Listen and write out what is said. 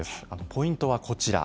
ポイントはこちら。